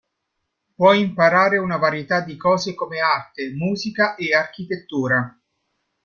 Puoi imparare una varietà di cose come arte, musica e architettura.